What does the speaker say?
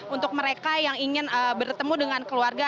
untuk mereka yang ingin bertemu dengan keluarga